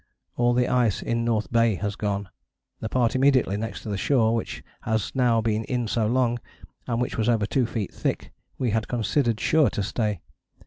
All the ice in North Bay has gone. The part immediately next to the shore, which has now been in so long, and which was over two feet thick, we had considered sure to stay.